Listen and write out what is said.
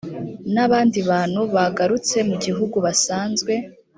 n abandi bantu bagarutse mu gihugu basanzwe